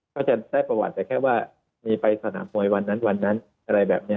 เขาจะได้ประวัติแต่แค่ว่ามีไปสนามมวยวันนั้นวันนั้นอะไรแบบนี้